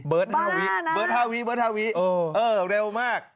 เบิร์ต๕วิเบิร์ต๕วิเบิร์ต๕วิเออเร็วมาก